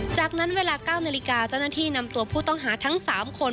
จากนั้นเวลา๙นาฬิกาเจ้าหน้าที่นำตัวผู้ต้องหาทั้ง๓คน